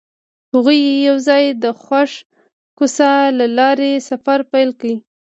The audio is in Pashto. هغوی یوځای د خوښ کوڅه له لارې سفر پیل کړ.